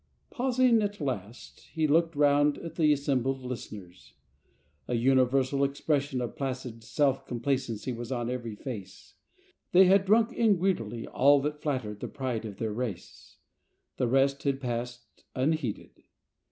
Pausing at last, he looked round at the assembled listeners. A universal expression of placid self complacency was on every face. They had drunk in greedily all that flattered the pride of their race; the rest had passed unheeded.